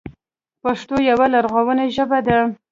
پښتو يوه لرغونې ژبه ده.